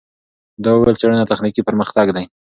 ده وویل، څېړنه تخنیکي پرمختګ دی.